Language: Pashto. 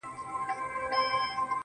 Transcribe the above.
هغه به اوس جامع الکمالات راته وايي,